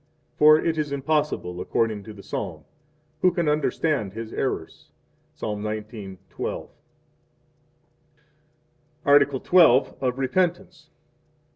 For it is impossible according to the Psalm: Who can understand his errors? Ps. 19:12. Article XII. Of Repentance.